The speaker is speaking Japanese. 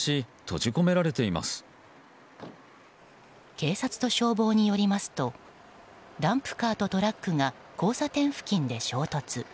警察と消防によりますとダンプカーとトラックが交差点付近で衝突。